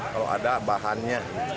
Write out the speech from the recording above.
kalau ada bahannya